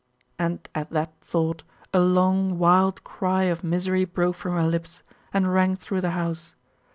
And at that thought, a long wild cry of misery broke from her lips, and rang through the house.